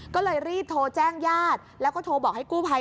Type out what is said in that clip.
ก็เลยรีบโทรแจ้งญาติแล้วก็โทรบอกให้กู้ภัย